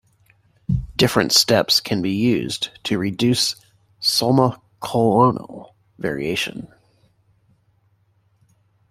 Different steps can be used to reduce somaclonal variation.